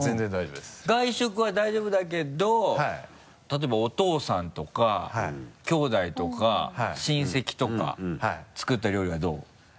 例えばお父さんとかきょうだいとか親戚とか作った料理はどう？